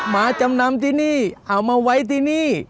มาจำนำที่นี่เอามาไว้ที่นี่